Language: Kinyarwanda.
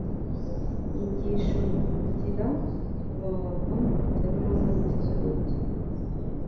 nyigishbkugira ubuntu butari bumwe bitiza urugi